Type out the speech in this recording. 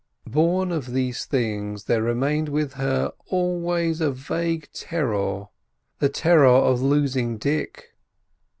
Born of these things there remained with her always a vague terror: the terror of losing Dick.